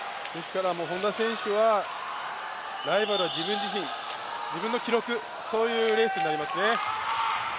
本多選手はライバルは自分自身自分の記録、そういうレースになりますね。